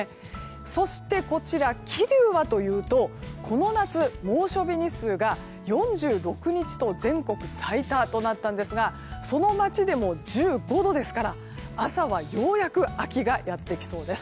そして、桐生はというとこの夏、猛暑日日数が４６日と全国最多となったんですがその街でも１５度ですから明日は、ようやく秋がやってきそうです。